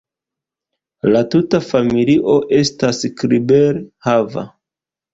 La tuta familio estas kribel-hava.